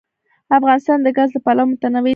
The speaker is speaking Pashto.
افغانستان د ګاز له پلوه متنوع دی.